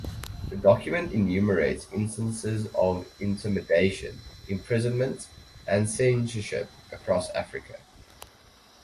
The document enumerates instances of intimidation, imprisonment, and censorship across Africa.